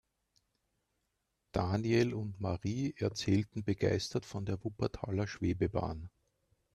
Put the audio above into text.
Daniel und Marie erzählten begeistert von der Wuppertaler Schwebebahn.